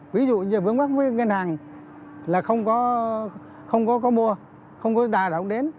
ví dụ như vướng mắt với ngân hàng là không có mua không có đà đọng đến